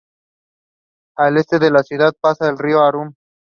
Al este de la ciudad pasa el Río Arun.